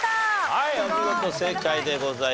はいお見事正解でございます。